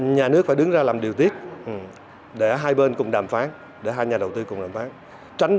nhà nước phải đứng ra làm điều tiết để hai bên cùng đàm phán để hai nhà đầu tư cùng đàm phán